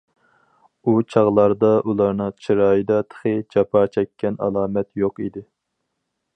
ئۇ چاغلاردا ئۇلارنىڭ چىرايىدا تېخى جاپا چەككەن ئالامەت يوق ئىدى.